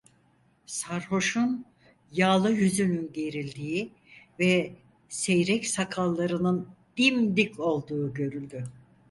Sarhoşun yağlı yüzünün gerildiği ve seyrek sakallarının dimdik olduğu görüldü.